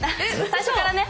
最初からね